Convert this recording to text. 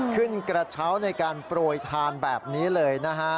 กระเช้าในการโปรยทานแบบนี้เลยนะฮะ